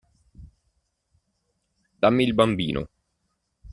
Dammi il bambino.